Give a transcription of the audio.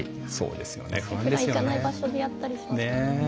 ふだん行かない場所でやったりしますもんね。